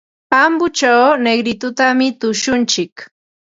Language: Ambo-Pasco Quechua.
Ambochaw Negritotami tushuntsik.